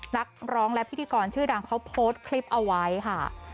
นักร้องและพิธีกรชื่อดังเขาโพสต์คลิปเอาไว้ค่ะ